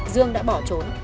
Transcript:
dương đã bỏ trốn